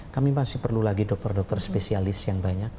kami masih perlu lagi dokter dokter spesialis yang banyak